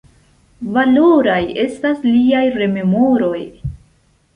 Valoraj estas liaj rememoroj.